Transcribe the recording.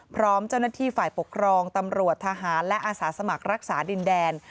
พร้อมเจ้าหน้าที่ฝ่ายปกครองตำรวจทหารและอาสาสมัครรักษาดินแดน